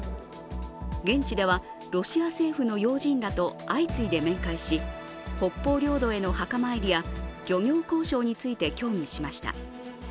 現地ではロシア政府の要人らと相次いで面会し北方領土への墓参りや漁業交渉について協議しました。